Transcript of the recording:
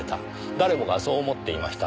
誰もがそう思っていました。